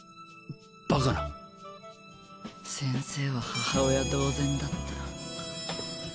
先生は母親同然だった。